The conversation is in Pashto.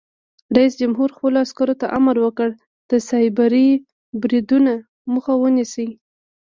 رئیس جمهور خپلو عسکرو ته امر وکړ؛ د سایبري بریدونو مخه ونیسئ!